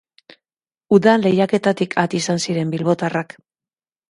Udan lehiaketatik at izan ziren bilbotarrak.